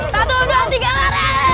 satu dua tiga lari